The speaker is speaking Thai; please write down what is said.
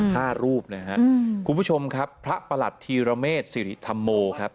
ห้ารูปนะฮะอืมคุณผู้ชมครับพระประหลัดธีรเมษศิริธรรมโมครับ